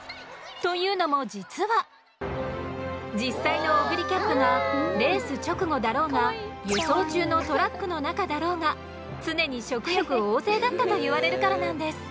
というのも実は実際のオグリキャップがレース直後だろうが輸送中のトラックの中だろうが常に食欲旺盛だったと言われるからなんです。